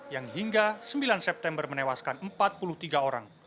yang hingga sembilan september menewaskan empat puluh tiga orang